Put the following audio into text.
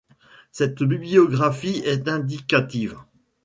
Cette bibliographie est indicative.